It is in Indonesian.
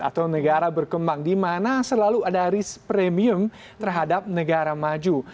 atau negara berkembang di mana selalu ada risk premium terhadap negara maju